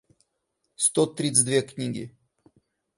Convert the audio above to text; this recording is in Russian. сто тридцать две книги